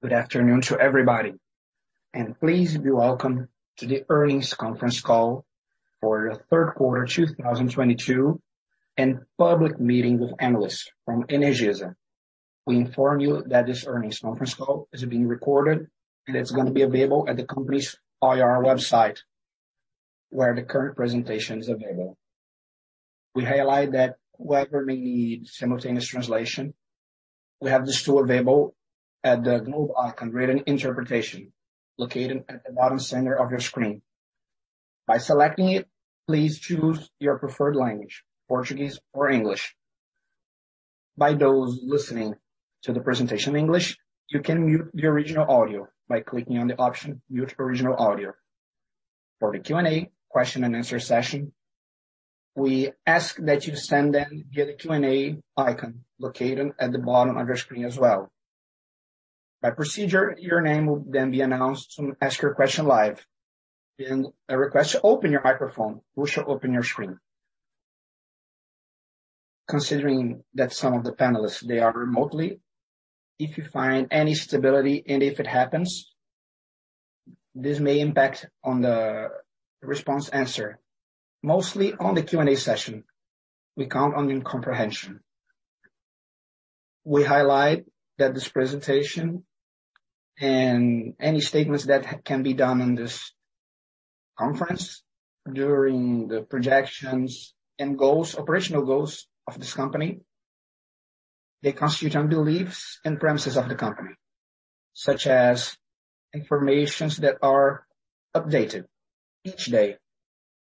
Good afternoon to everybody, and please be welcome to the earnings conference call for the Q3 2022, and public meeting with analysts from Energisa. We inform you that this earnings conference call is being recorded, and it's gonna be available at the company's IR website, where the current presentation is available. We highlight that whoever may need simultaneous translation, we have this tool available at the globe icon written interpretation located at the bottom center of your screen. By selecting it, please choose your preferred language, Portuguese or English. For those listening to the presentation in English, you can mute the original audio by clicking on the option Mute Original Audio. For the Q&A, question and answer session, we ask that you send them via the Q&A icon located at the bottom of your screen as well. By procedure, your name will then be announced to ask your question live. Then a request to open your microphone, we shall open your screen. Considering that some of the panelists, they are remotely, if you find any instability and if it happens, this may impact on the response answer. Mostly on the Q&A session, we count on your comprehension. We highlight that this presentation and any statements that can be done on this conference during the projections and goals, operational goals of this company, they are based on beliefs and premises of the company, such as information that is updated each day.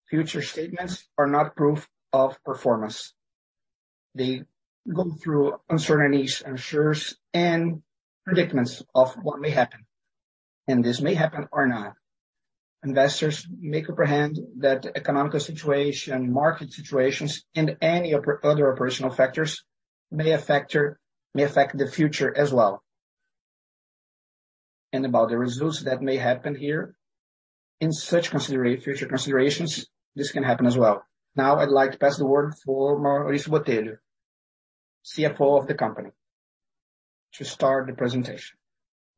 Future statements are not proof of performance. They go through uncertainties, risks, and predicaments of what may happen. This may happen or not. Investors may comprehend that economic situation, market situations, and any other operational factors may affect the future as well. About the results that may happen here, in such considerable future considerations, this can happen as well. Now I'd like to pass the word to Maurício Botelho, CFO of the company, to start the presentation.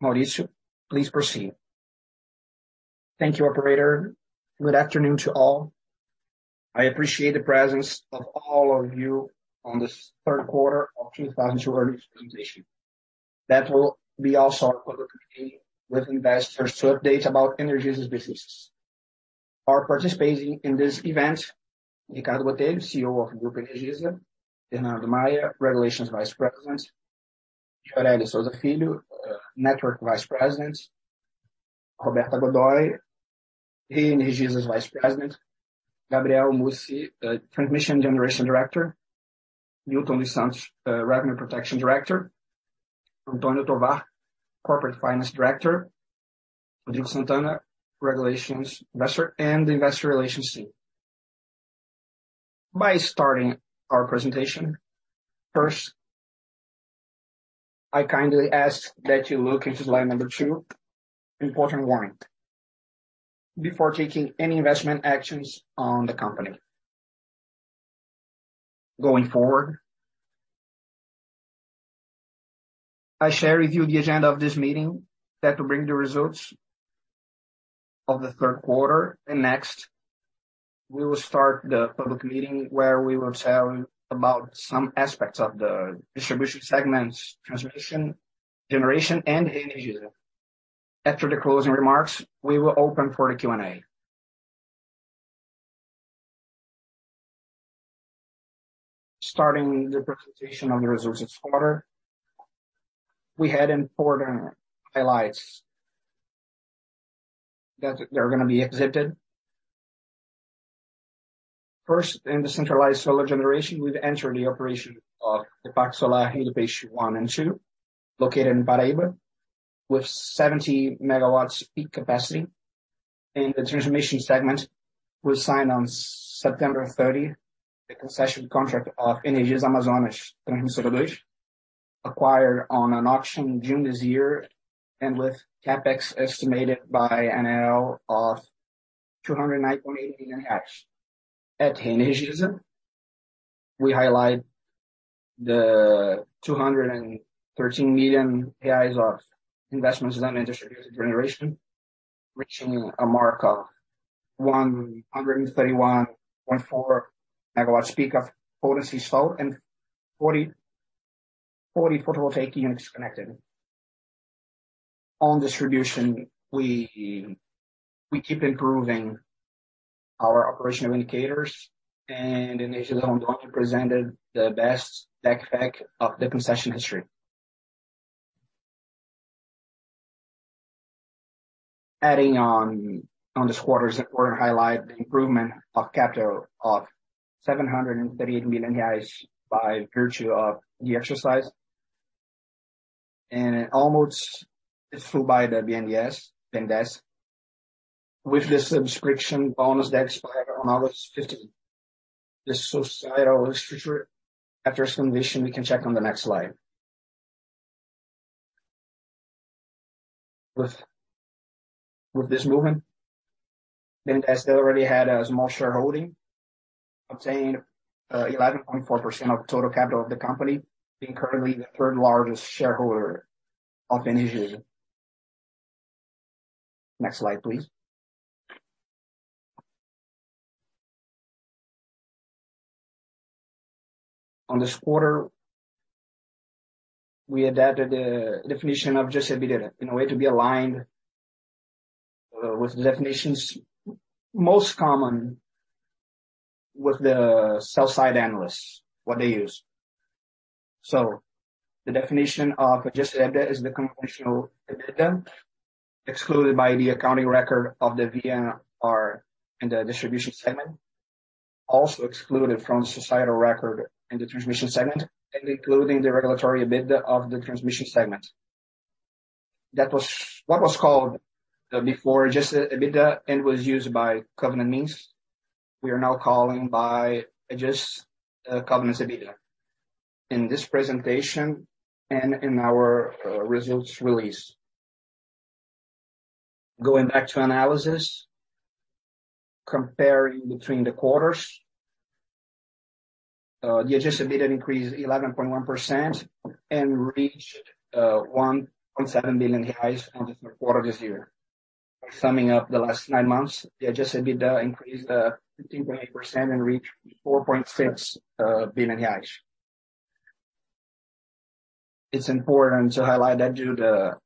Maurício, please proceed. Thank you, operator. Good afternoon to all. I appreciate the presence of all of you on this Q3 of 2022 earnings presentation. That will be also our public meeting with investors to update about Energisa's businesses. Participating in this event, Ricardo Botelho, CEO of Grupo Energisa, Fernando Maia, Vice President of Regulation, Gioreli de Sousa Filho, Network Vice President, Roberta Godoi, Energisa's Vice President, Gabriel Mussi, Transmission Generation Director, Milton dos Santos, Revenue Protection Director, Antonio Tovar, Corporate Finance Director, Rodrigo Santana, Regulatory Affairs and Strategy Director, and Investor Relations team. Starting our presentation, first, I kindly ask that you look into slide number two, important warning, before taking any investment actions on the company. Going forward, I share with you the agenda of this meeting that will bring the results of the Q3, and next, we will start the public meeting where we will tell about some aspects of the distribution segments, transmission, generation, and Energisa. After the closing remarks, we will open for the Q&A. Starting the presentation of the results this quarter, we had important highlights that they're gonna be exhibited. First, in decentralized solar generation, we've entered the operation of the Heliópolis one and two, located in Paraíba, with 70 MW peak capacity. In the transmission segment, we signed on September 30, the concession contract of Energisa Amazonas Transmissora II, acquired on an auction in June this year and with CapEx estimated by ANEEL of 209.8 million. At Energisa, we highlight the 213 million reais of investments done in distributed generation, reaching a mark of 131.4 MW peak of potency sold and 40 photovoltaic units connected. On distribution, we keep improving our operational indicators, and Energisa Rondônia presented the best DEC/FEC of the concession history. Adding on this quarter's important highlight, the improvement of capital of 738 million by virtue of the exercise. Almost fully by the BNDES, with the subscription bonus that expired on August 15. This acquisition structure, after explanation, we can check on the next slide. With this movement, as they already had a small shareholding, obtained 11.4% of total capital of the company, being currently the third largest shareholder of Energisa. Next slide, please. In this quarter, we adapted the definition of adjusted EBITDA in a way to be aligned with the definitions most common with the sell-side analysts, what they use. The definition of adjusted EBITDA is the conventional EBITDA excluding the accounting record of the VNR in the distribution segment, also excluding the statutory record in the transmission segment and including the regulatory EBITDA of the transmission segment. That was what was called before adjusted EBITDA and was used by covenants. We are now calling it adjusted Covenants EBITDA in this presentation and in our results release. Going back to analysis, comparing between the quarters, the adjusted EBITDA increased 11.1% and reached 1.7 billion in the Q3 this year. Summing up the last nine months, the adjusted EBITDA increased 15.8% and reached BRL 4.6 billion. It's important to highlight that due to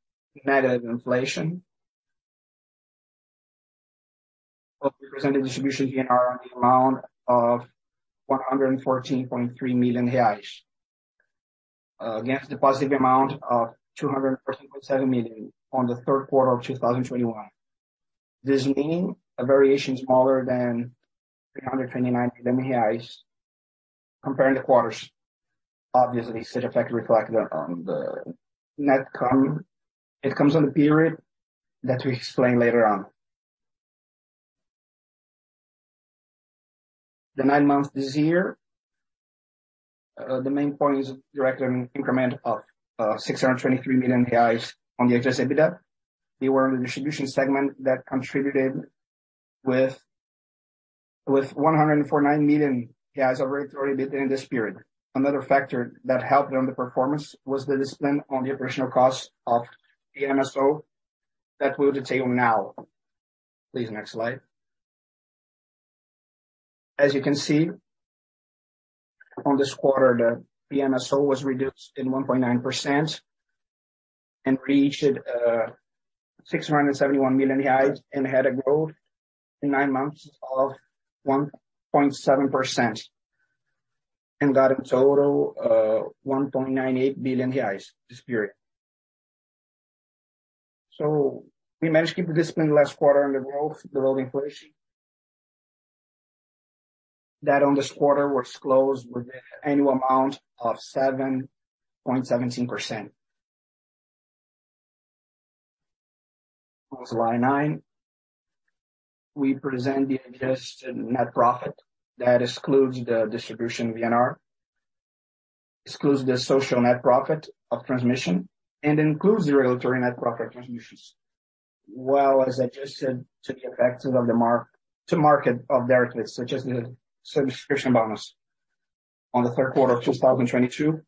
negative inflation, represented distribution VNR in the amount of 114.3 million reais against the positive amount of 214.7 million on the Q3 of 2021. This meaning a variation smaller than 329 million comparing the quarters. Obviously, such effect reflected on the net income on the period that we explain later on. The nine months this year, the main point is a direct increment of 623 million reais on the adjusted EBITDA. There was in the distribution segment that contributed with 149 million reais already within this period. Another factor that helped on the performance was the discipline on the operational cost of the PMSO that we'll detail now. Please, next slide. As you can see, on this quarter, the PMSO was reduced by 1.9% and reached 671 million reais and had a growth in nine months of 1.7% and got a total of 1.98 billion reais this period. We managed to keep the discipline last quarter on the growth inflation. That on this quarter was closed with the annual amount of 7.17%. On slide nine, we present the adjusted net profit that excludes the distribution VNR, excludes the social net profit of transmission, and includes the regulatory net profit transmissions, while also adjusted to the effects of the mark-to-market of derivatives, such as the subscription bonds. On the Q3 of 2022,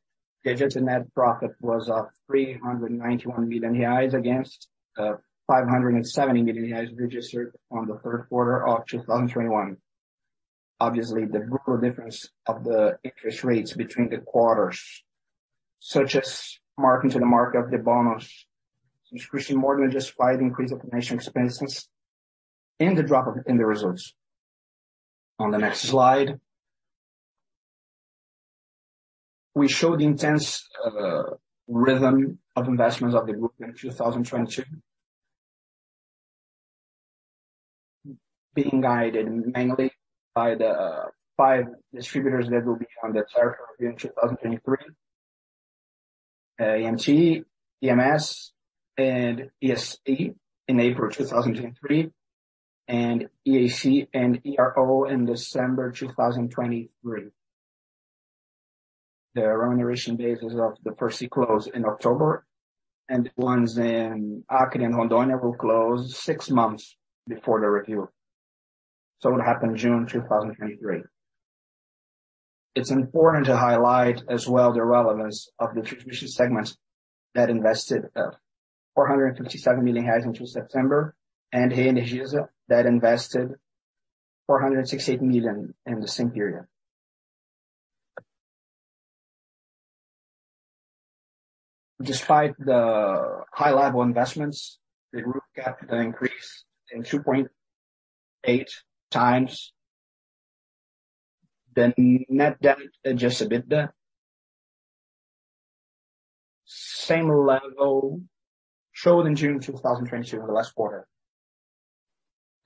adjusted net profit was 391 million reais against 570 million reais registered on the Q3 of 2021. Obviously, the brutal difference of the interest rates between the quarters, such as marking to the market of the bonds, which increasingly more than just five increased operational expenses and the drop in the results. On the next slide, we show the intense rhythm of investments of the group in 2022. Being guided mainly by the five distributors that will be on the territory in 2023, EMT, EMS, and ESP in April 2023, and EAC and ERO in December 2023. The remuneration bases of the first three close in October, and the ones in Acre and Rondônia will close six months before the review. It will happen June 2023. It's important to highlight as well the relevance of the transmission segments that invested 457 million until September, and Energisa that invested 468 million in the same period. Despite the high level investments, the group got an increase in 2.8x. The net debt adjusted EBITDA, same level shown in June 2022 in the last quarter.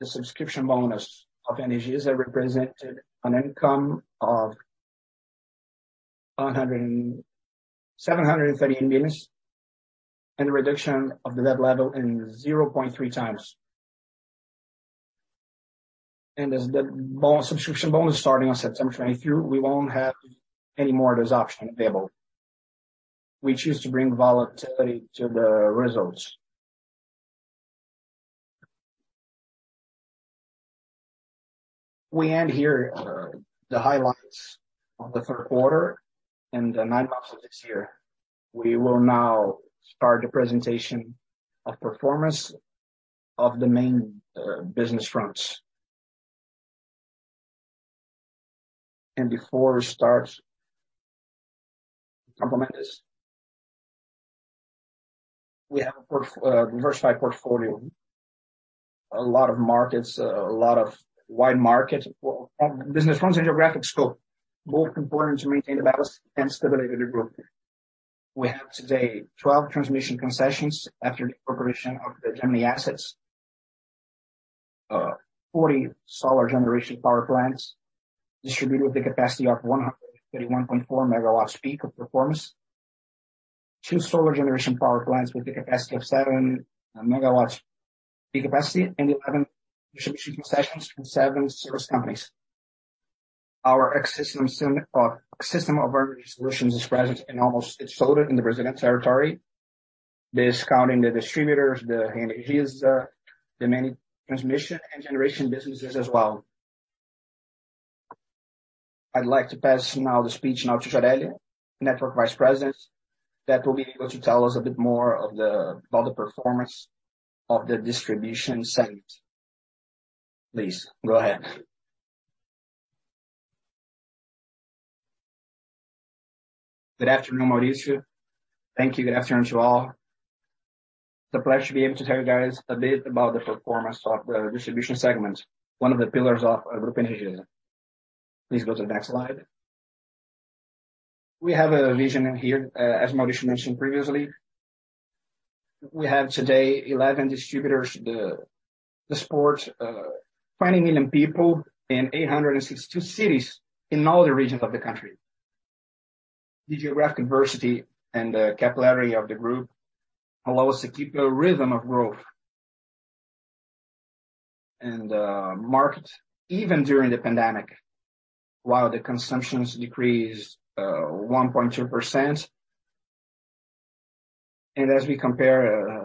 The subscription bonus of Energisa represented an income of 170 million, and a reduction of the debt level in 0.3x. As the subscription bond is starting on September 23, we won't have any more of those options available, which is to bring volatility to the results. We end here the highlights of the Q3 and the nine months of this year. We will now start the presentation of performance of the main business fronts. Before we start, a couple of minutes. We have a diversified portfolio. A lot of markets, a lot of wide market, business fronts and geographic scope, both important to maintain the balance and stability of the group. We have today 12 transmission concessions after the incorporation of the Gemini assets. 40 solar generation power plants distributed with a capacity of 131.4 MW peak of performance. Two solar generation power plants with a capacity of 7 MW peak capacity and 11 distribution concessions from seven service companies. Our ecosystem of energy solutions is present in almost each state in the resident territory. Discounting the distributors, the energies, the many transmission and generation businesses as well. I'd like to pass the speech to Gioreli, Network Vice President, that will be able to tell us a bit more about the performance of the distribution segment. Please, go ahead. Good afternoon, Maurício. Thank you. Good afternoon to all. It's a pleasure to be able to tell you guys a bit about the performance of the distribution segment, one of the pillars of Grupo Energisa. Please go to the next slide. We have a vision in here, as Maurício mentioned previously. We have today 11 distributors that support 20 million people in 862 cities in all the regions of the country. The geographic diversity and the capillarity of the group allow us to keep a rhythm of growth. Market even during the pandemic, while the consumptions decreased 1.2%. As we compare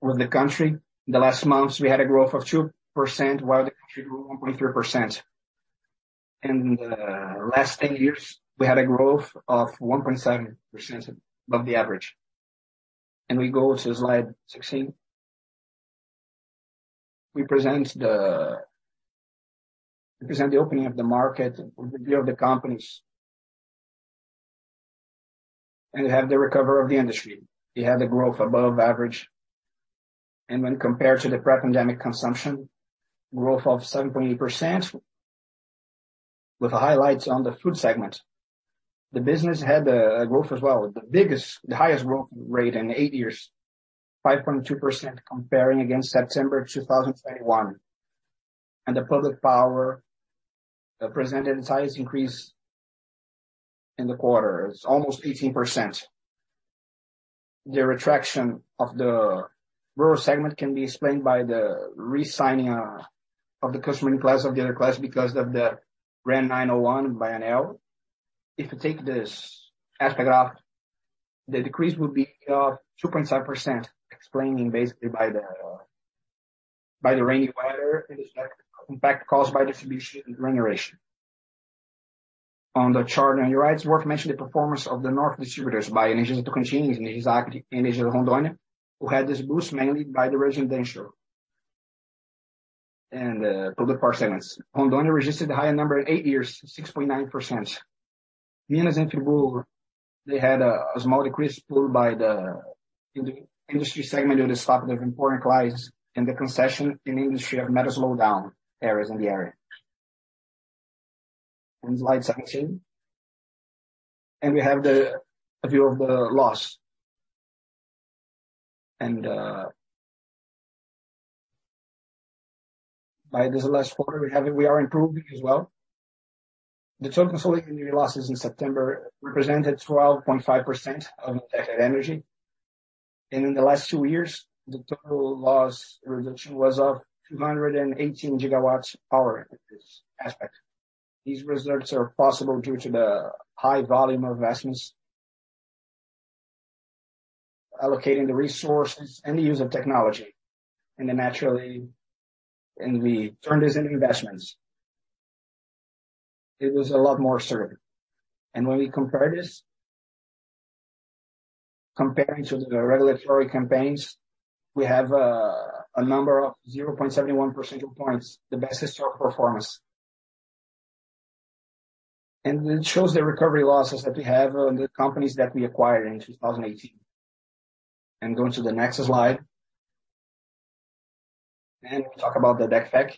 with the country, in the last months, we had a growth of 2%, while the country grew 1.3%. In the last 10 years, we had a growth of 1.7% above the average. We go to slide 16. We present the opening of the market, we build the companies. We have the recovery of the industry. We have the growth above average. When compared to the pre-pandemic consumption, growth of 7.8%, with the highlights on the food segment. The business had a growth as well, the biggest, the highest growth rate in eight years, 5.2% comparing against September 2021. The public power presented the highest increase in the quarter. It's almost 18%. The retraction of the rural segment can be explained by the reclassification of the customer in class, of the other class because of the REN 901 by ANEEL. If you take this aspect off, the decrease would be 2.5%, explaining basically by the rainy weather and its negative impact caused by distribution and generation. On the chart on your right, it's worth mentioning the performance of the north distributors by Energisa Tocantins, Energisa Acre, and Energisa Rondônia, who had this boost mainly by the residential and public power segments. Rondônia registered the highest number in eight years, 6.9%. Minas e Triângulo, they had a small decrease pulled by the industry segment due to stopping of important clients and the concession in industry have met a slowdown areas in the area. Slide 17. We have a view of the loss. By this last quarter, we are improving as well. The total consolidated energy losses in September represented 12.5% of untethered energy. In the last two years, the total loss reduction was of 218 GW power in this aspect. These results are possible due to the high volume of investments, allocating the resources and the use of technology. Then naturally, we turn this into investments. It was a lot more certain. When we compare this, comparing to the regulatory campaigns, we have a number of 0.71 percentage points, the best historical performance. It shows the recovery losses that we have on the companies that we acquired in 2018. Going to the next slide. We'll talk about the DEC/FEC.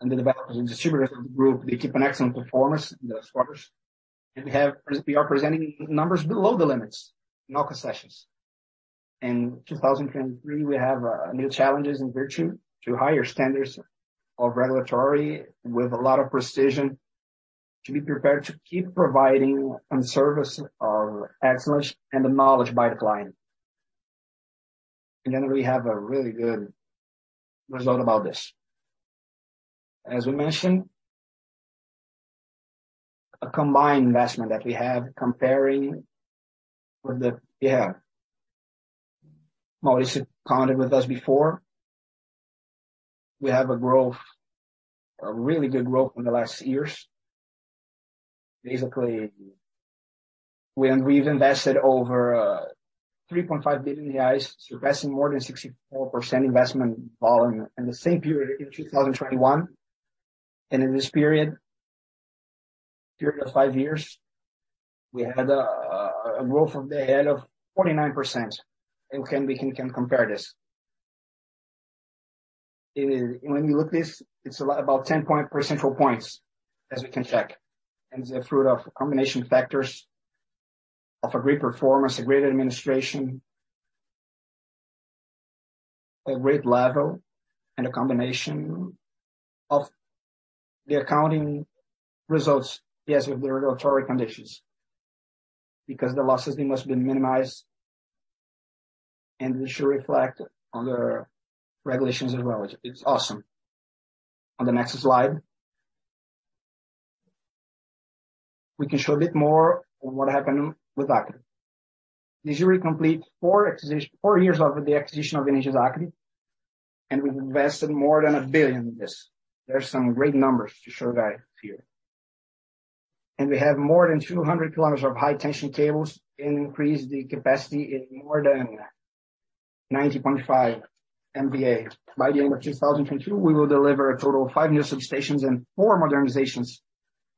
Under developers and distributors of the group, they keep an excellent performance in the quarters. We are presenting numbers below the limits in all concessions. In 2023, we have new challenges due to higher standards of regulation with a lot of precision to be prepared to keep providing a service of excellence acknowledged by the client. Then we have a really good result about this. As we mentioned, a combined investment that we have comparing with the Mauricio commented with us before. We have a growth, a really good growth in the last years. Basically, we've invested over 3.5 billion reais, surpassing more than 64% investment volume in the same period in 2021. In this period of five years, we had a growth of the RAB of 49%. We can compare this. When you look at this, it's a lot about 10 percentage points, as we can check. The fruit of combination factors of a great performance, a great administration. A great level and a combination of the accounting results, yes, with the regulatory conditions. Because the losses, they must be minimized, and they should reflect on the regulations as well. It's awesome. On the next slide, we can show a bit more on what happened with Acre. This year we complete four years of the acquisition of Energisa Acre, and we've invested more than 1 billion in this. There's some great numbers to show that here. We have more than 200 kilometers of high tension cables and increased the capacity in more than 90.5 MVA. By the end of 2022, we will deliver a total of five new substations and four modernizations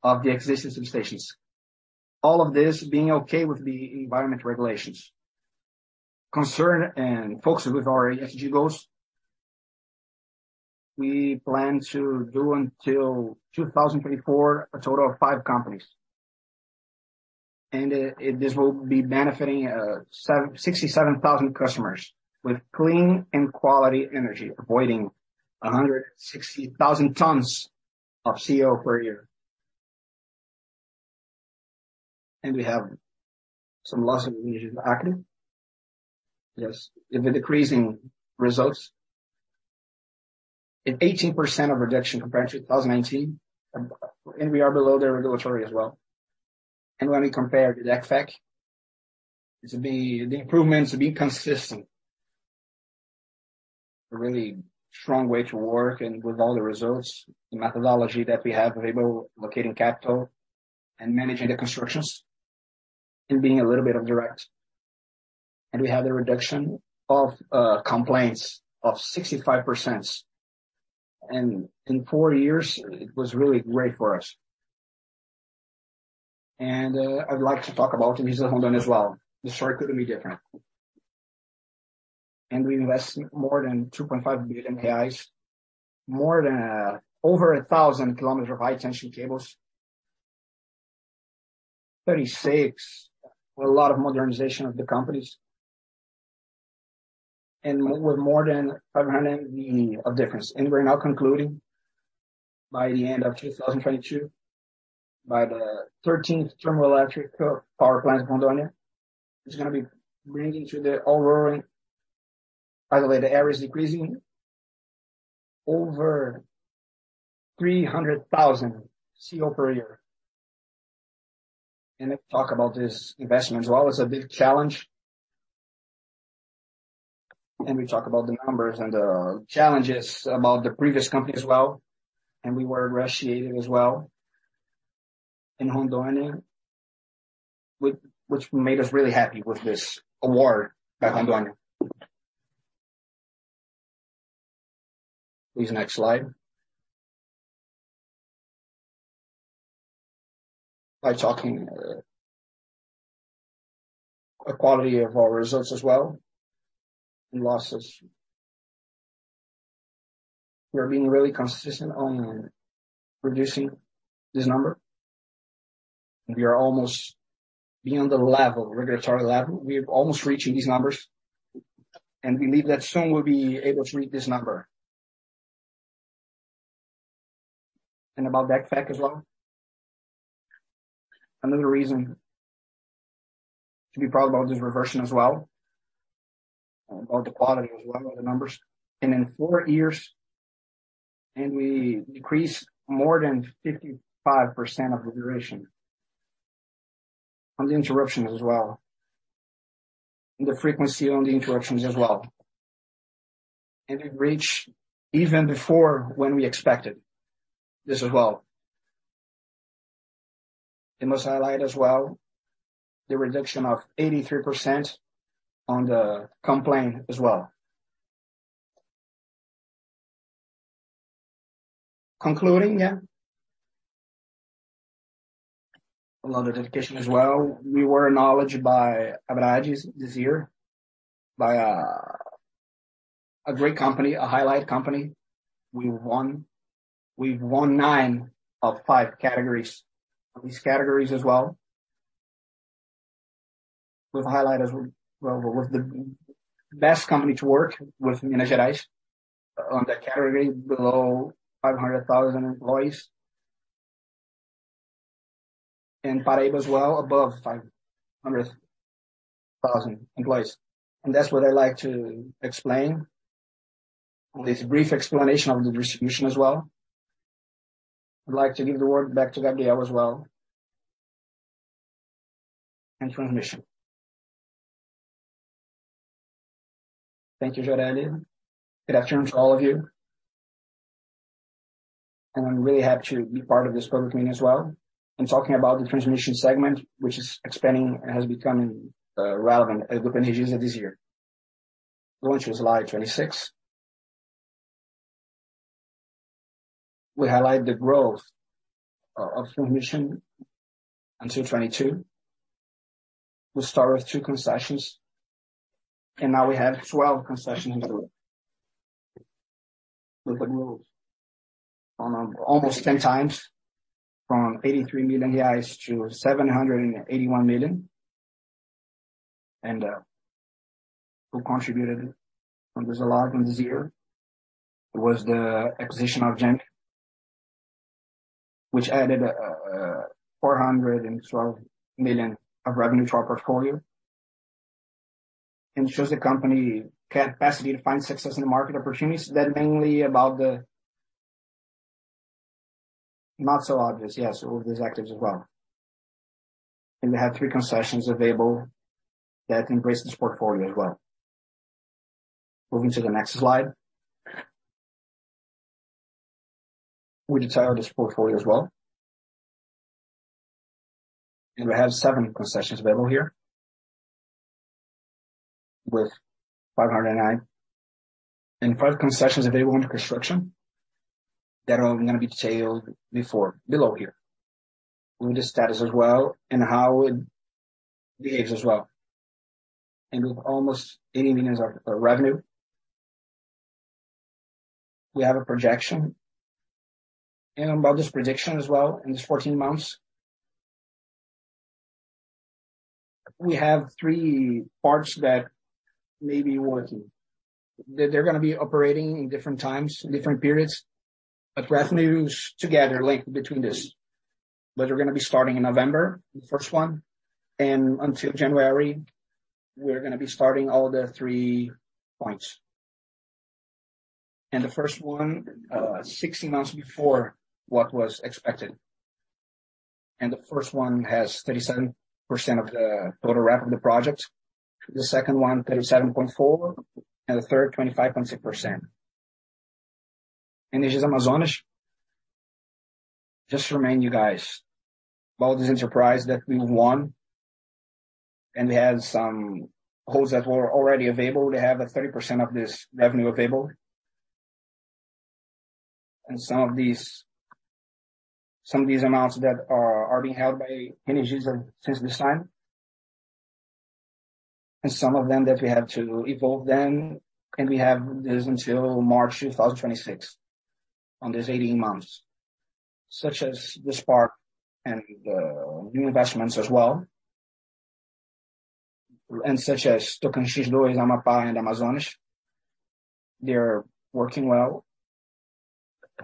of the existing substations. All of this being okay with the environmental regulations. Concern and focus with our ESG goals. We plan to do until 2024, a total of five communities. This will be benefiting 67,000 customers with clean and quality energy, avoiding 160,000 tons of CO2 per year. We have some losses in Minas Gerais and Acre. Yes, with the decreasing results. 18% reduction compared to 2019. We are below the regulatory as well. When we compare the DEC/FEC, it's a bit the improvements a bit consistent. A really strong way to work and with all the results, the methodology that we have available, allocating capital and managing the concessions and being a little bit more direct. We have the reduction of complaints of 65%. In four years, it was really great for us. I'd like to talk about Energisa Rondônia as well. The story could be different. We invest more than 2.5 billion reais, more than over 1,000 kilometers of high-tension cables. 36 with a lot of modernization of the companies. With more than 500 MVA of difference. We're now concluding by the end of 2022 the thirteenth thermoelectric power plant in Rondônia, which is gonna be bringing to the overall. By the way, emissions are decreasing by over 300,000 tons of CO2 per year. If we talk about this investment as well, it's a big challenge. We talk about the numbers and the challenges about the previous company as well. We were appreciated as well in Rondônia. Which made us really happy with this award by Rondônia. Please, next slide. By talking quality of our results as well and losses. We're being really consistent on reducing this number. We are almost beyond the regulatory level. We've almost reaching these numbers, and we believe that soon we'll be able to reach this number. About DEC/FEC as well. Another reason to be proud about this version as well, about the quality as well, the numbers. In four years, we decrease more than 55% of the duration on the interruption as well, and the frequency on the interruptions as well. It reached even before we expected this as well. It must highlight as well the reduction of 83% on the complaint as well. Concluding, yeah. A lot of dedication as well. We were acknowledged by Abradee this year as a great company, a highlight company. We've won nine of five categories. These categories as well. With highlight as well, with the best company to work with Minas Gerais on that category below 500,000 employees. Paraíba as well, above 500,000 employees. That's what I'd like to explain. On this brief explanation of the distribution as well. I'd like to give the word back to Gabriel Mussi. Transmission. Thank you, Gioreli de Sousa Filho. Good afternoon to all of you. I'm really happy to be part of this program team as well. I'm talking about the transmission segment, which is expanding and has become relevant at Energisa this year. Going to slide 26. We highlight the growth of transmission until 2022. We start with two concessions, and now we have 12 concessions in the group. With the growth from almost 10x from BRL 83 million-BRL 781 million. Who contributed from this a lot in this year was the acquisition of Gemini Energy, which added 412 million of revenue to our portfolio, and shows the company capacity to find success in the market opportunities that mainly about the not so obvious, yes, with these assets as well. They have three concessions available that increase this portfolio as well. Moving to the next slide. We detail this portfolio as well. We have seven concessions available here, with 509. Five concessions available under construction that are gonna be detailed further below here, with the status as well and how it behaves as well. With almost 80 million of revenue. We have a projection. About this projection as well, in these 14 months, we have three parts that may be working. They're gonna be operating in different times, different periods, but revenues together linked between this. They're gonna be starting in November, the first one, and until January, we're gonna be starting all the three points. The first one, 16 months before what was expected. The first one has 37% of the total revenue of the project. The second one, 37.4%, and the third, 25.6%. Energisa Amazonas, just to remind you guys, about this enterprise that we won, and they had some holds that were already available. They have 30% of this revenue available. Some of these amounts that are being held by Energisa since this time. Some of them that we had to evolve then, and we have this until March 2026, over this 18 months, such as the spark and new investments as well. Such as Tocantins, Amapá and Amazonas, they're working well.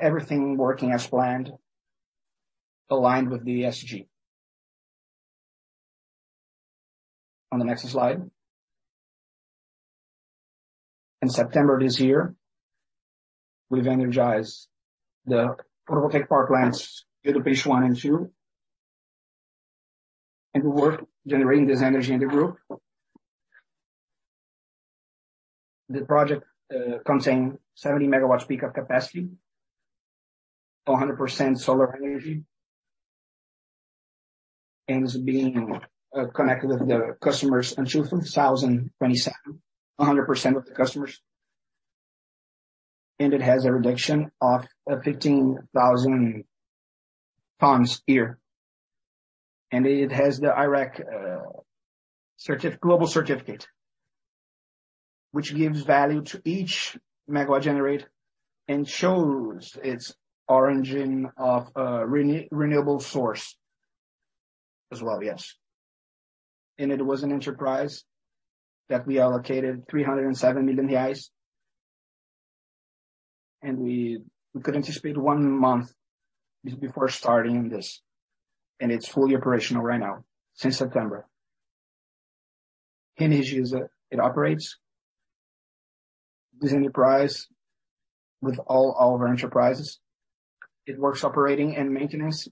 Everything working as planned, aligned with the ESG. On the next slide. In September this year, we've energized the photovoltaic park plants, Jurubaíba one and two, and we're generating this energy in the group. The project contain 70 MW peak of capacity, 100% solar energy, and is being connected with the customers until 2027, 100% with the customers. And it has a reduction of 15,000 tons a year. And it has the I-REC global certificate, which gives value to each MW generated and shows its origin of renewable source as well, yes. It was an enterprise that we allocated 307 million reais, and we could anticipate one month just before starting this. It's fully operational right now, since September. Energisa operates this enterprise with all our enterprises. It works operating and maintenance,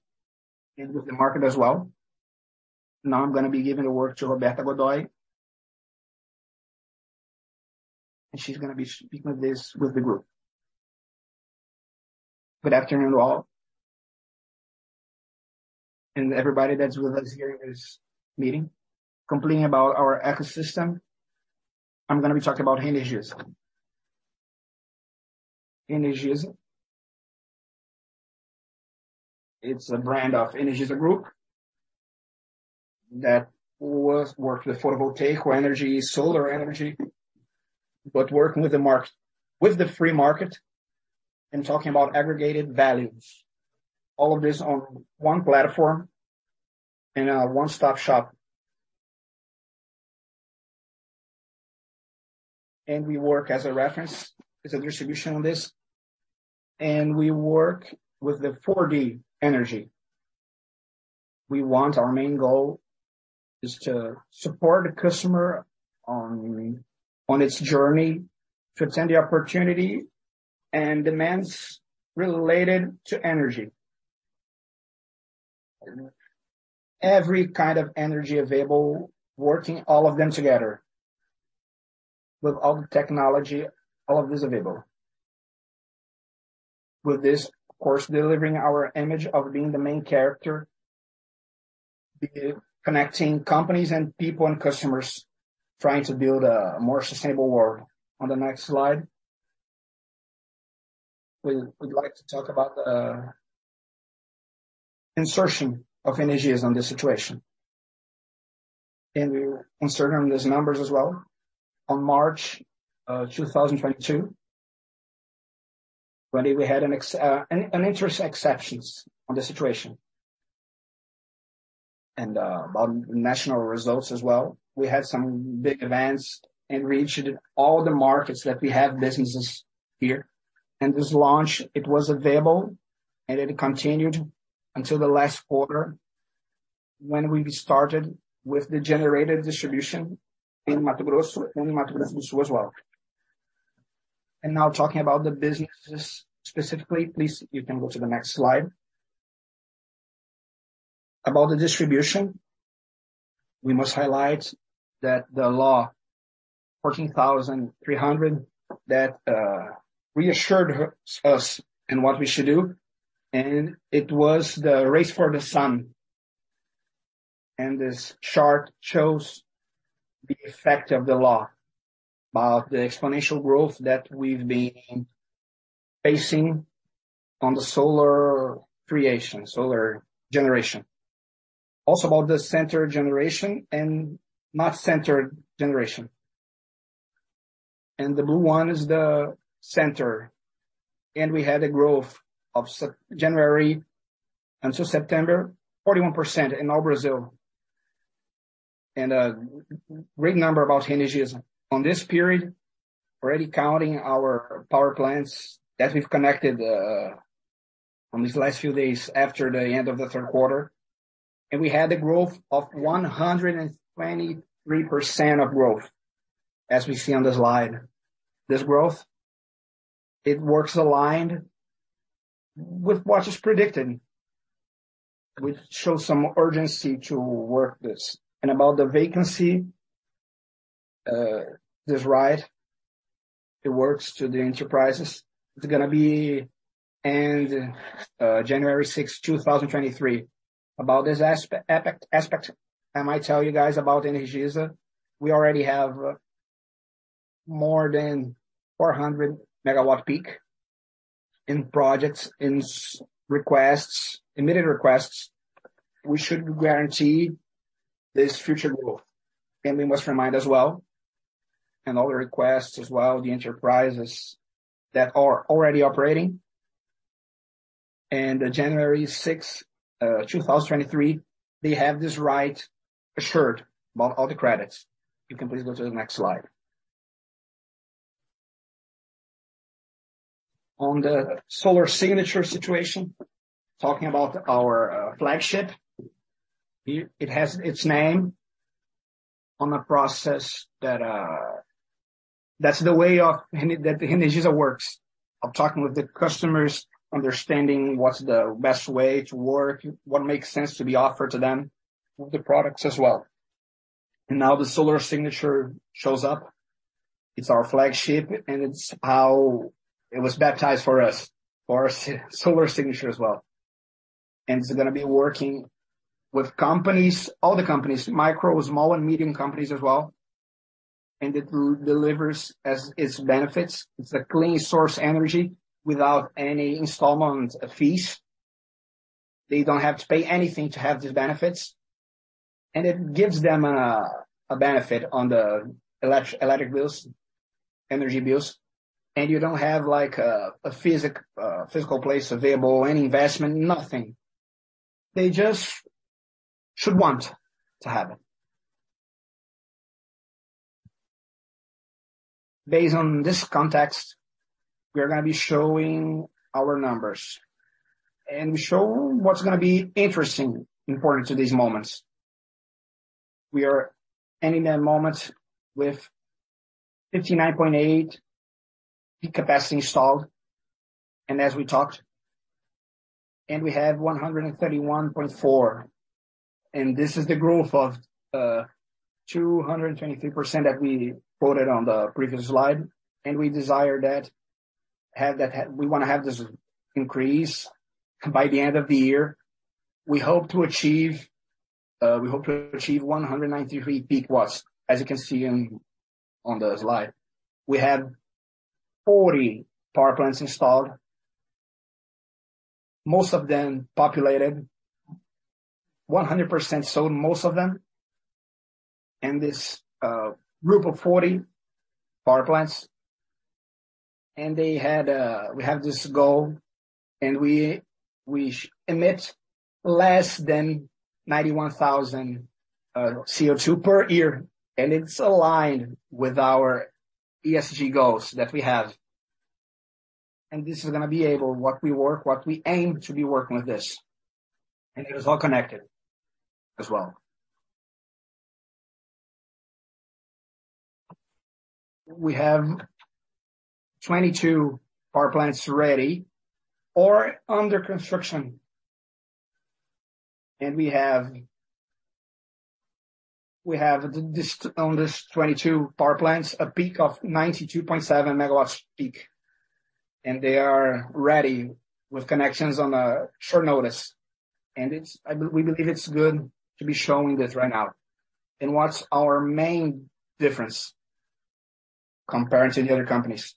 and with the market as well. Now I'm gonna be giving the word to Roberta Godoi, and she's gonna be speaking this with the group. Good afternoon to all, and everybody that's with us here in this meeting. Completing about our ecosystem, I'm gonna be talking about (re)energisa. (re)energisa, it's a brand of Energisa Group that works with photovoltaic energy, solar energy, but working with the market, with the free market, and talking about aggregated values. All of this on one platform in a one-stop shop. We work as a reference as a distribution on this, and we work with the 4D energy. We want our main goal is to support the customer on its journey to attend the opportunity and demands related to energy. Every kind of energy available, working all of them together with all the technology, all of this available. With this, of course, delivering our image of being the main character, being connecting companies and people and customers trying to build a more sustainable world. On the next slide. We'd like to talk about insertion of energies on this situation. We insert on these numbers as well. On March 2022, when we had an interesting exception on the situation and on national results as well. We had some big events and reached all the markets that we have businesses here. This launch, it was available, and it continued until the last quarter when we started with the generated distribution in Mato Grosso as well. Now talking about the businesses specifically, please, you can go to the next slide. About the distribution, we must highlight that the law 14,300 that reassured us in what we should do, and it was the race for the sun. This chart shows the effect of the law, about the exponential growth that we've been facing on the solar creation, solar generation. Also about the centralized generation and decentralized generation. The blue one is the central. We had a growth from January until September, 41% in all Brazil. A great number about energies on this period, already counting our power plants that we've connected on these last few days after the end of the Q3. We had a growth of 123% growth, as we see on the slide. This growth, it's aligned with what is predicted, which shows some urgency to work this. About the vacancy, this right, it applies to the enterprises. It's gonna end January 6, 2023. About this aspect, I might tell you guys about Energisa. We already have more than 400 MW peak in projects, in submitted requests. We should guarantee this future growth. We must remind as well all the requests as well as the enterprises that are already operating. January 6, 2023, they have this right assured about all the credits. You can please go to the next slide. On the Assinatura Solar situation, talking about our flagship. It has its name on a process that that's the way of that Energisa works, of talking with the customers, understanding what's the best way to work, what makes sense to be offered to them, the products as well. Now the Assinatura Solar shows up. It's our flagship, and it's how it was baptized for us, for Assinatura Solar as well. It's gonna be working with companies, all the companies, micro, small, and medium companies as well. It delivers as its benefits. It's a clean source energy without any installment fees. They don't have to pay anything to have these benefits. It gives them a benefit on the electric bills, energy bills. You don't have like a physical place available, any investment, nothing. They just should want to have it. Based on this context, we are gonna be showing our numbers and show what's gonna be interesting, important to these moments. We are ending that moment with 59.8 peak capacity installed, and as we talked, and we have 131.4. This is the growth of 223% that we quoted on the previous slide, and we desire that. Have that. We wanna have this increase by the end of the year. We hope to achieve 193 peak watts, as you can see on the slide. We have 40 power plants installed, most of them populated. 100% sold, most of them. This group of 40 power plants. They had, we have this goal and we emit less than 91,000 CO2 per year, and it's aligned with our ESG goals that we have. This is gonna be able, what we work, what we aim to be working with this. It is all connected as well. We have 22 power plants ready or under construction. We have this, on these 22 power plants, a peak of 92.7 MW peak. They are ready with connections on a short notice. It's we believe it's good to be showing this right now. What's our main difference compared to the other companies?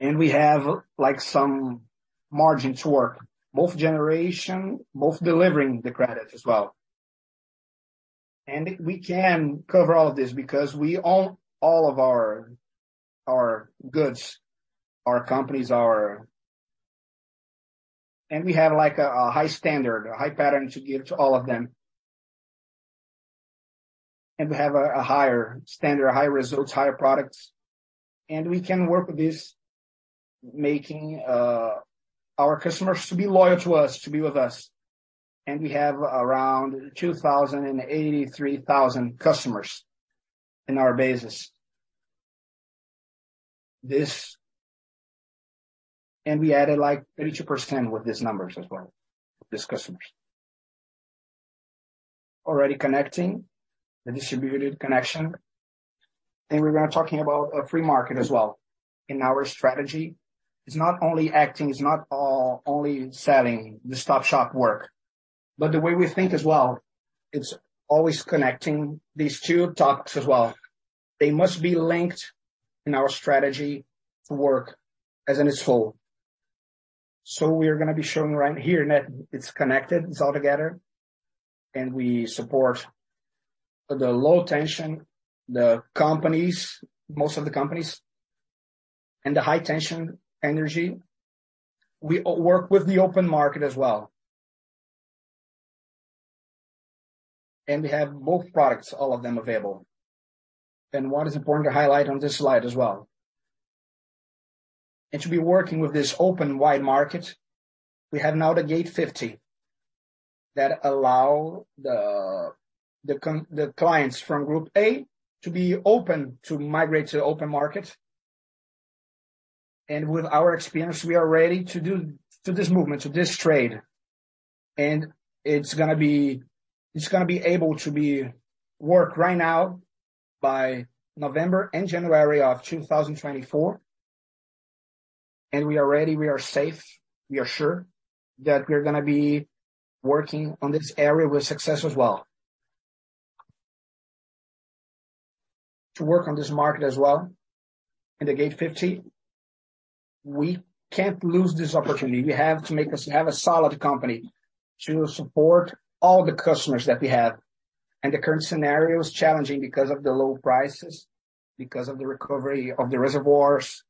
We have, like some margin to work, both generation, both delivering the credit as well. We can cover all of this because we own all of our goods, our companies, our. We have like a high standard, a high pattern to give to all of them. We have a higher standard, higher results, higher products. We can work with this, making our customers to be loyal to us, to be with us. We have around 2,083 thousand customers in our bases. We added like 32% with these numbers as well, these customers. Already connecting the distributed generation, and we're gonna talk about a free market as well in our strategy. It's not only acting, it's not all about selling the one-stop shop work. The way we think as well, it's always connecting these two topics as well. They must be linked in our strategy to work as a whole. We're gonna be showing right here that it's connected, it's all together, and we support the low tension, the companies, most of the companies, and the high tension energy. We work with the open market as well. We have both products, all of them available. What is important to highlight on this slide as well. To be working with this open market, we have now the Portaria 50 that allow the clients from Group A to be open to migrate to the open market. With our experience, we are ready to do this movement, to this trade. It's gonna be able to work right now by November and January of 2024. We are ready, we are safe, we are sure that we're gonna be working on this area with success as well. To work on this market as well, in the Portaria 50, we can't lose this opportunity. We have a solid company to support all the customers that we have. The current scenario is challenging because of the low prices, because of the recovery of the reservoirs,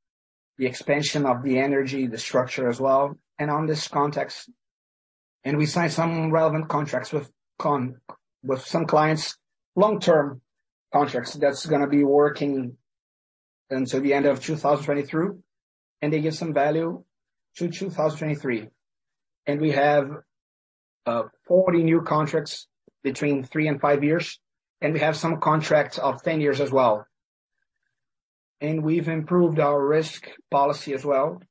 the expansion of the energy, the structure as well, and on this context. We signed some relevant contracts with some clients, long-term contracts that's gonna be working until the end of 2023, and they give some value to 2023. We have 40 new contracts between three and five years, and we have some contracts of 10 years as well. We've improved our risk policy as well,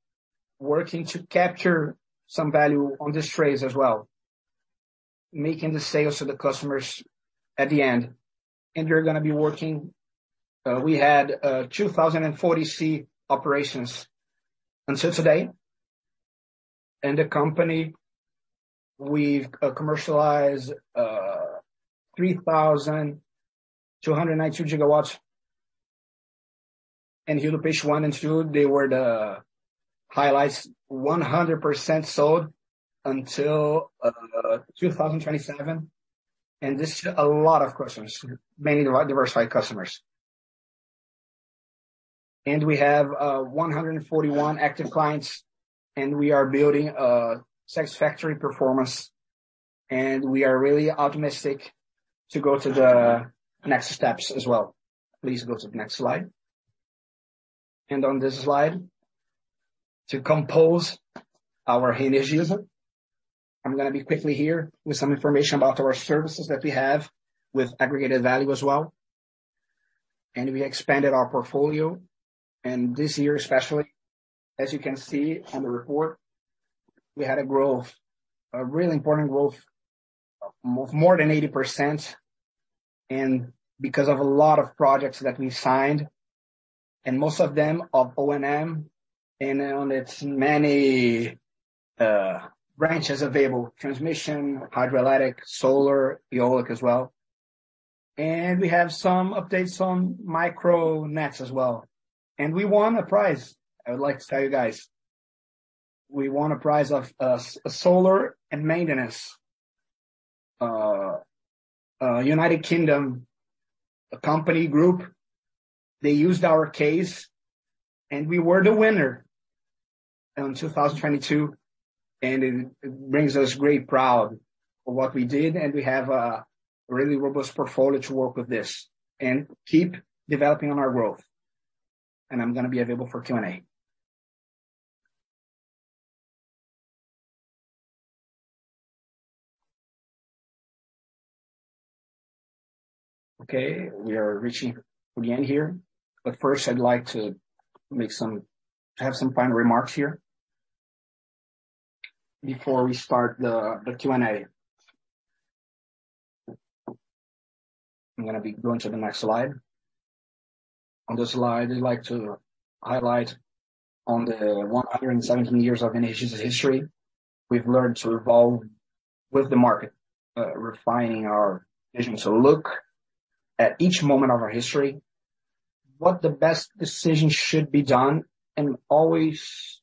working to capture some value on these trades as well, making the sales to the customers at the end. They're gonna be working. We had 2,040 C operations until today. The company, we've commercialized 3,292 GW. Heliópolis one and two, they were the highlights. 100% sold until 2027. This is a lot of customers, many diversified customers. We have 141 active clients, and we are building a satisfactory performance, and we are really optimistic to go to the next steps as well. Please go to the next slide. On this slide, to compose our initiatives, I'm gonna be quickly here with some information about our services that we have with added value as well. We expanded our portfolio. This year especially, as you can see on the report, we had a growth, a really important growth of more than 80% and because of a lot of projects that we signed. Most of them are O&M and on its many branches available, transmission, hydroelectric, solar, eolic as well. We have some updates on micro nets as well. We won a prize, I would like to tell you guys. We won a prize of solar and maintenance. United Kingdom company group, they used our case and we were the winner in 2022, and it brings us great pride of what we did. We have a really robust portfolio to work with this and keep developing on our growth. I'm gonna be available for Q&A. Okay, we are reaching the end here. But first, I'd like to have some final remarks here before we start the Q&A. I'm gonna be going to the next slide. On this slide, I'd like to highlight on the 117 years of Energisa's history. We've learned to evolve with the market, refining our vision to look at each moment of our history, what the best decisions should be done, and always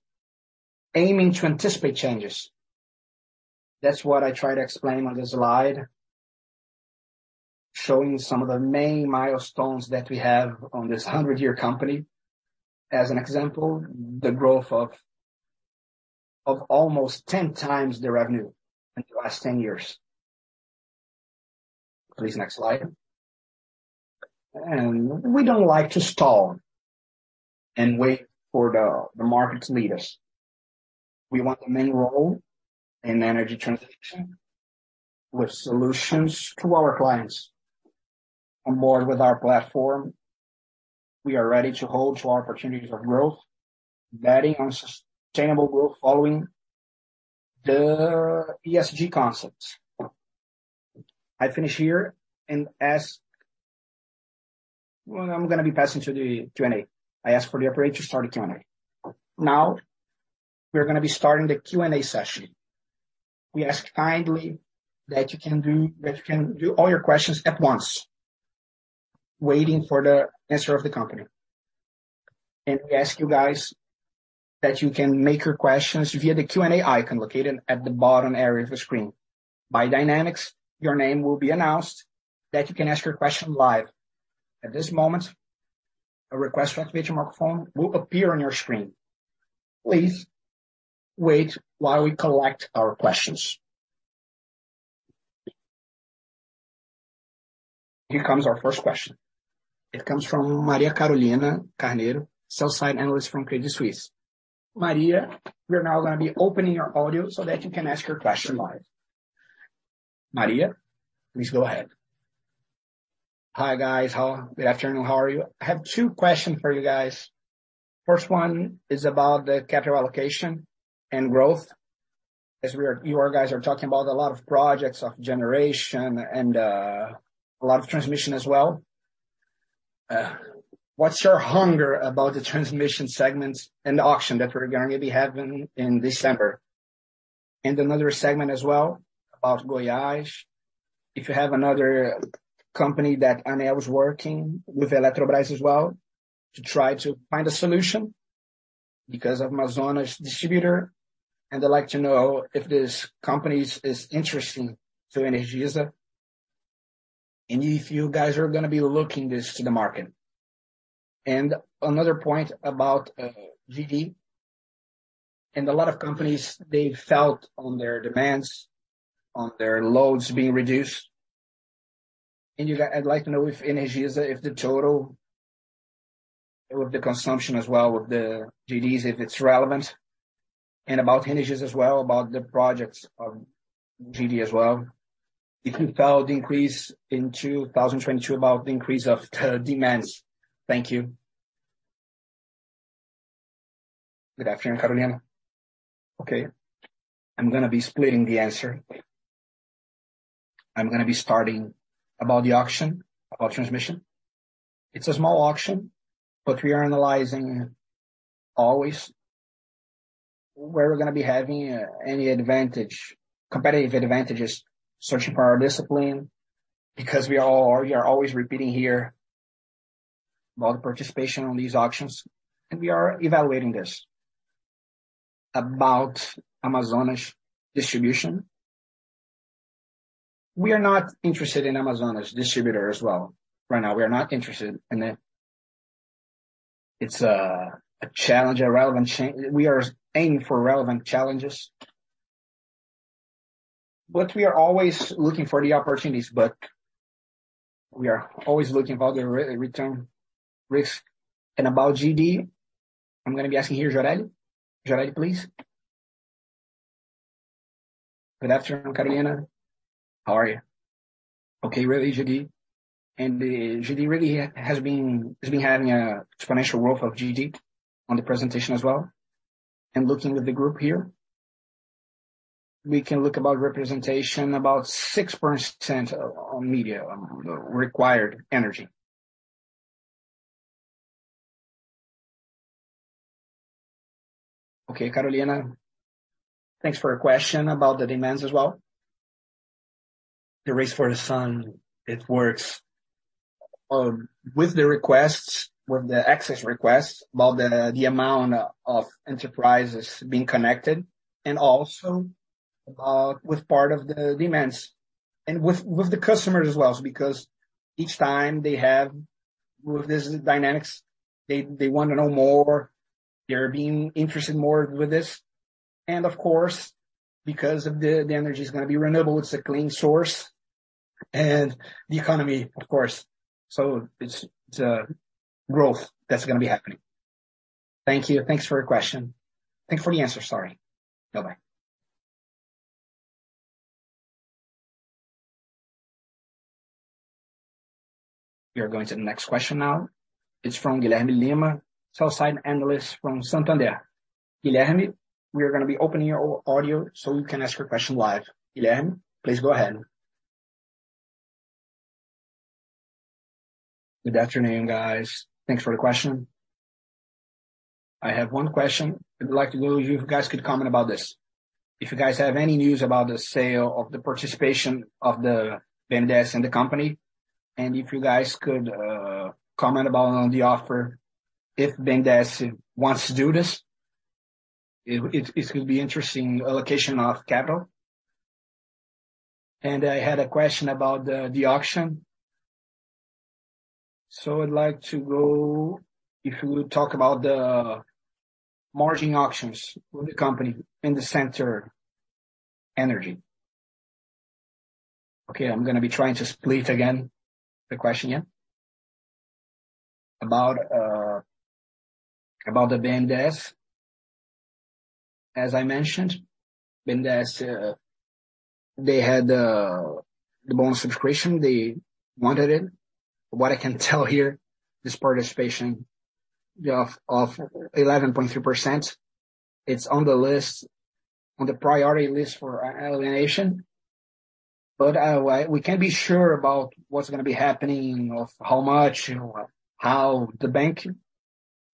aiming to anticipate changes. That's what I try to explain on this slide, showing some of the main milestones that we have on this 100-year company. As an example, the growth of almost 10x the revenue in the last 10 years. Please, next slide. We don't like to stall and wait for the market to lead us. We want the main role in energy transition with solutions to our clients. On board with our platform, we are ready to hold to our opportunities for growth, betting on sustainable growth, following the ESG concepts. I finish here. Well, I'm gonna be passing to the Q&A. I ask for the operator to start the Q&A. Now, we're gonna be starting the Q&A session. We ask kindly that you can do all your questions at once, waiting for the answer of the company. We ask you guys that you can make your questions via the Q&A icon located at the bottom area of the screen. By Dynamics, your name will be announced that you can ask your question live. At this moment, a request to activate your microphone will appear on your screen. Please wait while we collect our questions. Here comes our first question. It comes from Maria Carolina Carneiro, Sell-Side Analyst from Credit Suisse. Maria, we are now gonna be opening your audio so that you can ask your question live. Maria, please go ahead. Hi, guys. Good afternoon. How are you? I have two questions for you guys. First one is about the capital allocation and growth. You all guys are talking about a lot of projects of generation and a lot of transmission as well. What's your hunger about the transmission segments and the auction that we're gonna be having in December? And another segment as well about Goiás. If you have another company that ANEEL is working with Eletrobras as well to try to find a solution because of Amazonas Energia. I'd like to know if this company is interesting to Energisa, and if you guys are gonna be looking this to the market. Another point about GD, and a lot of companies they felt on their demands, on their loads being reduced. I'd like to know if Energisa, if the total of the consumption as well with the GDs, if it's relevant. About Energisa as well, about the projects of GD as well, if you felt the increase in 2022, about the increase of the demands. Thank you. Good afternoon, Carolina. Okay, I'm gonna be splitting the answer. I'm gonna be starting about the auction, about transmission. It's a small auction, but we are analyzing always where we're gonna be having any advantage, competitive advantages searching for our discipline, because we are always repeating here about participation on these auctions, and we are evaluating this. About Amazonas Energia, we are not interested in Amazonas Energia as well. Right now, we are not interested in it. It's a challenge, a relevant. We are aiming for relevant challenges. We are always looking for the opportunities, the return, risk. About GD, I'm gonna be asking here Gioreli. Gioreli, please. Good afternoon, Carolina. How are you? Okay. Really, GD really has been having an exponential growth of GD on the presentation as well. Looking at the group here, we can look about representation about 6% on media, on the required energy. Okay, Carolina, thanks for your question about the demands as well. The race for the sun, it works with the requests, with the access requests, about the amount of enterprises being connected, and also about with part of the demands and with the customers as well. Because each time they have with this dynamics, they wanna know more. They're being interested more with this. Of course, because of the energy is gonna be renewable, it's a clean source and the economy of course. It's growth that's gonna be happening. Thank you. Thanks for your question. Thanks for the answer. Sorry. Bye-bye. We are going to the next question now. It's from Guilherme Lima, Sell-side analyst from Santander. Guilherme, we are gonna be opening your audio, so you can ask your question live. Guilherme, please go ahead. Good afternoon, guys. Thanks for the question. I have one question. I'd like to know if you guys could comment about this. If you guys have any news about the sale of the participation of the BNDES in the company, and if you guys could comment on the offer, if BNDES wants to do this. It could be interesting allocation of capital. I had a question about the auction. If you talk about the margin auctions with the company in the energy sector. Okay, I'm gonna be trying to split again the question, yeah. About the BNDES. As I mentioned, BNDES, they had the bond subscription. They wanted it. What I can tell here, this participation of 11.3%, it's on the list, on the priority list for alienation. We can't be sure about what's gonna be happening or how much or how the bank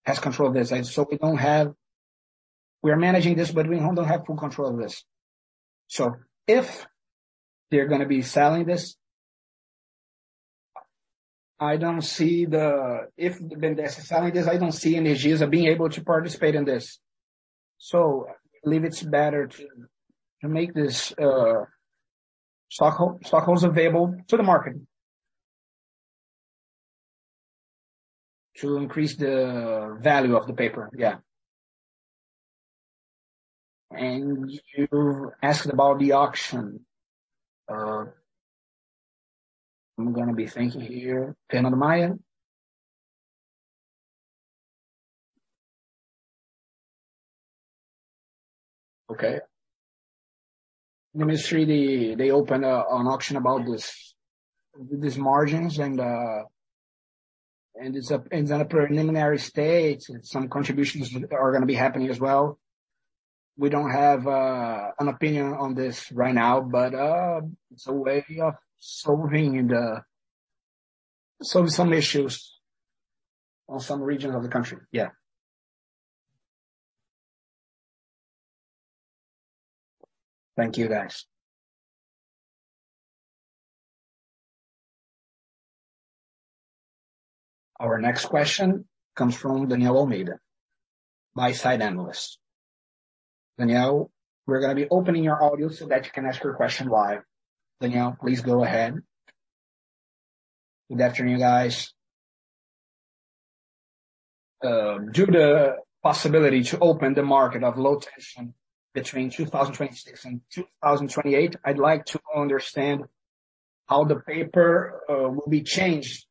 has control of this. We are managing this, but we don't have full control of this. If they're gonna be selling this, I don't see the If BNDES is selling this, I don't see Energisa being able to participate in this. I believe it's better to make this stock holdings available to the market. To increase the value of the paper. Yeah. You asked about the auction. I'm gonna be thinking here. Fernando Maia. Okay. The ministry, they opened an auction about this, these margins, and it's at a preliminary stage, and some contributions are gonna be happening as well. We don't have an opinion on this right now, but it's a way of solving some issues on some regions of the country. Yeah. Thank you, guys. Our next question comes from Daniel Almeida, buy-side analyst. Daniel, we're gonna be opening your audio so that you can ask your question live. Daniel, please go ahead. Good afternoon, guys. Due to the possibility to open the market of low tension between 2026 and 2028, I'd like to understand how the role will be changed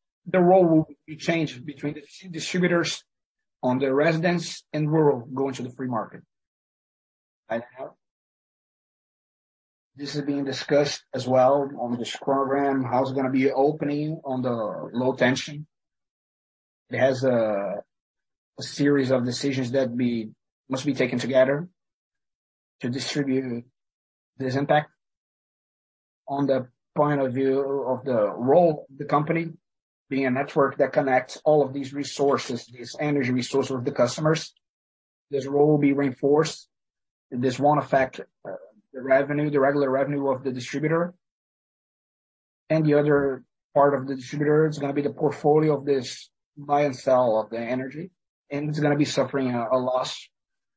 between the distributors and the residents and rural going to the free market. This is being discussed as well on this program. How it's gonna be opening on the low tension. It has a series of decisions that must be taken together to distribute this impact. On the point of view of the role of the company, being a network that connects all of these resources, these energy resources with the customers, this role will be reinforced, and this won't affect the revenue, the regular revenue of the distributor. The other part of the distributor is gonna be the portfolio of this buy and sell of the energy. It's gonna be suffering a loss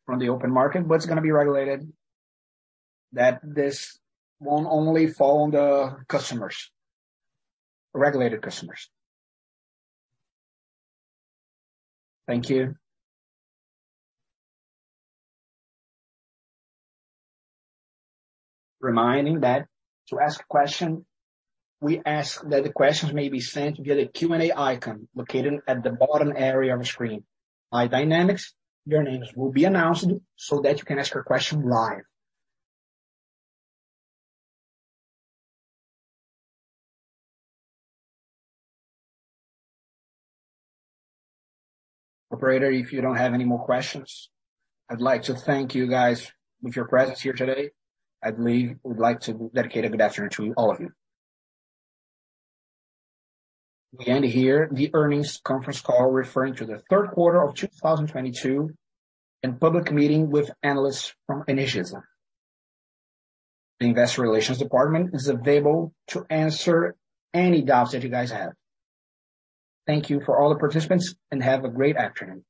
from the open market, but it's gonna be regulated that this won't only fall on the customers, regulated customers. Thank you. Reminding that to ask a question, we ask that the questions may be sent via the Q&A icon located at the bottom area of your screen. By dynamics, your names will be announced so that you can ask your question live. Operator, if you don't have any more questions, I'd like to thank you guys with your presence here today. I believe we'd like to dedicate a good afternoon to all of you. We end here the earnings conference call referring to the Q3 of 2022 and public meeting with analysts from Energisa. The investor relations department is available to answer any doubts that you guys have. Thank you for all the participants, and have a great afternoon.